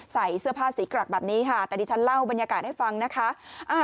ใส่เสื้อผ้าสีกรักแบบนี้ค่ะแต่ดิฉันเล่าบรรยากาศให้ฟังนะคะ